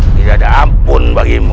tidak ada ampun bagimu